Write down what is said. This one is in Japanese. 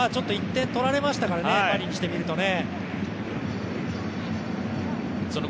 １点取られましたからねパリにしてみるとね。